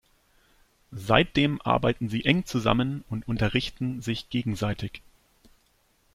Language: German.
Seitdem arbeiten sie eng zusammen und unterrichten sich gegenseitig.